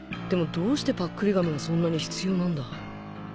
どうしてパックリ亀がそんなに必要なんだ？